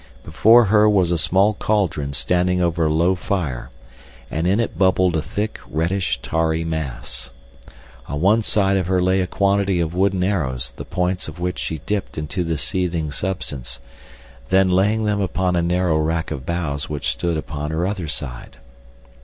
Before her was a small cauldron standing over a low fire and in it bubbled a thick, reddish, tarry mass. On one side of her lay a quantity of wooden arrows the points of which she dipped into the seething substance, then laying them upon a narrow rack of boughs which stood upon her other side.